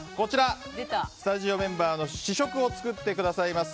スタジオメンバーの試食を作ってくださいます